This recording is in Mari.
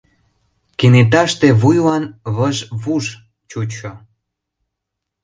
Кенеташте вуйлан выж-вуж чучо.